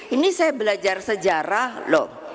ini saya belajar sejarah loh